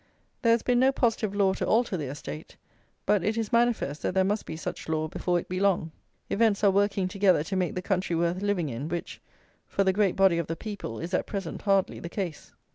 There has been no positive law to alter their state, but it is manifest that there must be such law before it be long. Events are working together to make the country worth living in, which, for the great body of the people, is at present hardly the case.